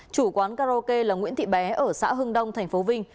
chủ quán karaoke là nguyễn thị bé ở xã hưng đông tp vinh